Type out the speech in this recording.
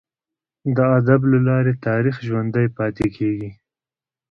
د ادب له لاري تاریخ ژوندي پاته کیږي.